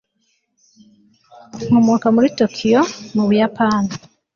nkomoka muri tokiyo, mu buyapani